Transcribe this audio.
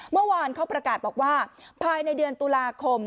เมื่อวานเขาประกาศบอกว่าภายในเดือนตุลาคม